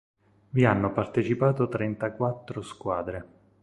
Vi hanno partecipato trentaquattro squadre.